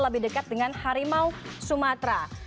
lebih dekat dengan harimau sumatera